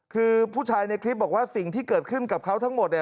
คือผู้ชายในคลิปบอกว่าสิ่งที่เกิดขึ้นกับเขาทั้งหมดเนี่ย